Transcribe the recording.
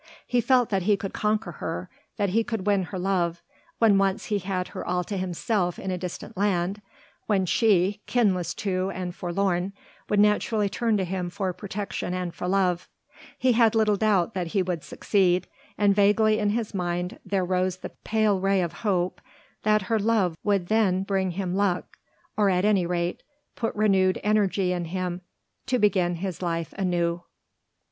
He felt that he could conquer her, that he could win her love, when once he had her all to himself in a distant land, when she kinless too and forlorn would naturally turn to him for protection and for love. He had little doubt that he would succeed, and vaguely in his mind there rose the pale ray of hope that her love would then bring him luck, or at any rate put renewed energy in him to begin his life anew.